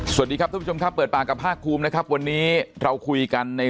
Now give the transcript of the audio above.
สวัสดีครับทุกผู้ชมครับเปิดปากกับภาคภูมินะครับวันนี้เราคุยกันใน